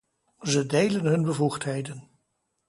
Ze delen hun bevoegdheden.